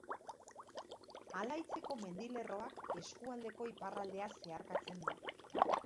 Alaitzeko mendilerroak eskualdeko iparraldea zeharkatzen du.